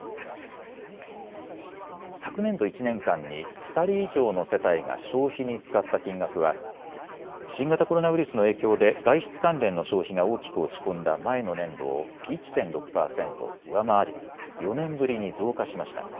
昨年度１年間に２人以上の世帯が消費に使った金額は新型コロナウイルスの影響で外出関連の消費が大きく落ち込んだ前の年度を１．６％上回り４年ぶりに増加しました。